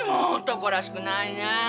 男らしくないねえ。